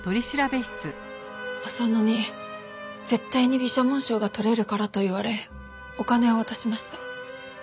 浅野に「絶対に美写紋賞が取れるから」と言われお金を渡しました。